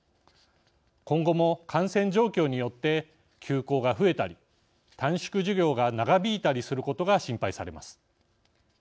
今後も感染状況によって休校が増えたり短縮授業が長引いたりすることが心配されます。